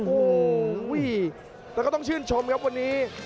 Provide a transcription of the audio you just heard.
โอ้โหแล้วก็ต้องชื่นชมครับวันนี้